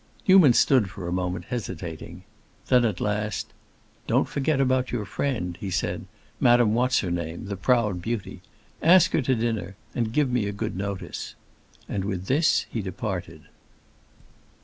Newman stood a moment, hesitating. Then at last, "Don't forget about your friend," he said, "Madame What's her name? the proud beauty. Ask her to dinner, and give me a good notice." And with this he departed.